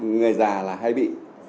người già là hay bị